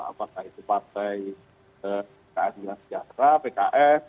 apakah itu partai keadilan sejahtera pks